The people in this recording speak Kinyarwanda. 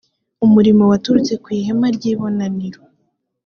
umuriro waturutse ku ihema ry’ibonaniro